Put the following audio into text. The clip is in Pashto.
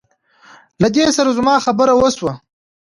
له دې سره زما خبره وشوه.